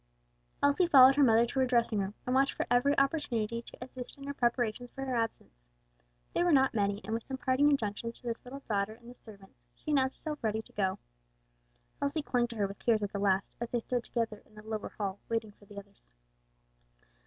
Elsie followed her mother to her dressing room, watched for every opportunity to assist in her preparations for her absence. They were not many, and with some parting injunctions to this little daughter and the servants, she announced herself ready to go. Elsie clung to her with tears at the last, as they stood together in the lower hall waiting for the others.